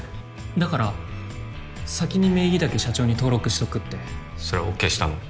だから先に名義だけ社長に登録しとくってそれＯＫしたの？